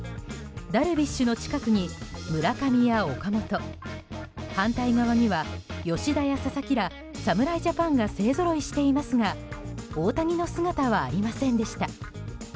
ダルビッシュの近くに村上や岡本反対側には吉田や佐々木ら侍ジャパンが勢ぞろいしていますが大谷の姿はありませんでした。